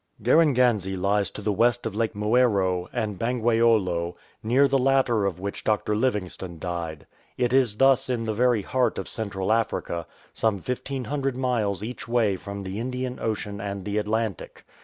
Garenganze lies to the west of Lakes Moero and 159 GARENGANZE Bangweolo, near the latter of which Dr. Livingstone died. It is thus in the very heart of Central Africa, some 1500 miles each way from the Indian Ocean and the Atlantic.